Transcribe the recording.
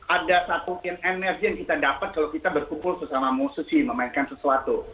ada satu energi yang kita dapat kalau kita berkumpul sesama musisi memainkan sesuatu